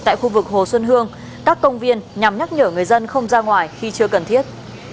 tại khu vực hồ xuân hương các công viên nhằm nhắc nhở người dân không ra ngoài khi chưa cần thiết